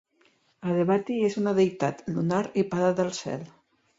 Arebati és una deïtat lunar i Pare del Cel.